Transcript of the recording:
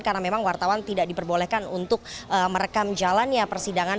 karena memang wartawan tidak diperbolehkan untuk merekam jalannya persidangan